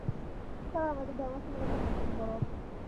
তবে আমাদের ধর্ম সম্বন্ধে তাঁহার জ্ঞান বড় অল্প।